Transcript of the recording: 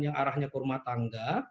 yang arahnya kurma tangga